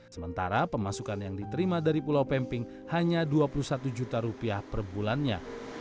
sementara pemasukan yang diterima dari pulau pemping hanya dua puluh satu juta rupiah per bulannya